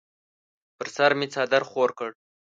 پر سر مې څادر خور کړ.